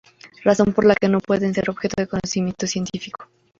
Razón por la que no pueden ser objeto de conocimiento científico.